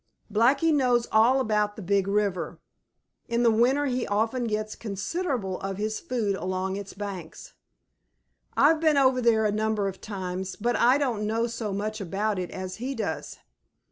Blacky knows all about the Big River. In the winter he often gets considerable of his food along its banks. I've been over there a number of times, but I don't know so much about it as he does.